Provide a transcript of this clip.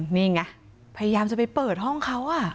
นี่ไงพยายามจะไปเปิดห้องเขา